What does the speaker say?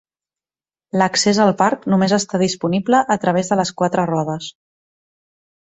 L'accés al parc només està disponible a través de les quatre rodes.